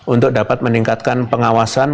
untuk dapat meningkatkan pengawasan